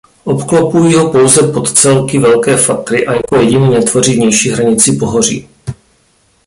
Obklopují ho pouze podcelky Velké Fatry a jako jediný netvoří vnější hranici pohoří.